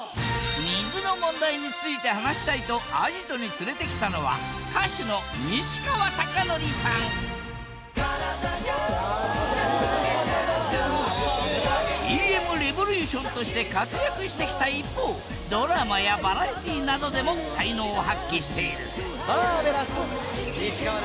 水の問題について話したいとアジトに連れてきたのはＴ．Ｍ．Ｒｅｖｏｌｕｔｉｏｎとして活躍してきた一方ドラマやバラエティーなどでも才能を発揮しているマーヴェラス西川です。